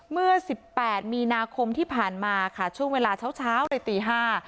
เมื่อสิบแปดมีนาคมที่ผ่านมาค่ะช่วงเวลาเช้าเช้าเลยตีห้า